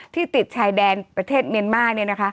ที่ติดชายแดนประเทศเมียนมาร์